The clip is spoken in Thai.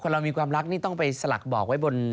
เรามีความรักนี่ต้องไปสลักบอกไว้บน